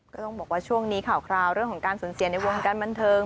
ก็ต้องบอกว่าช่วงนี้ข่าวคราวเรื่องของการสูญเสียในวงการบันเทิง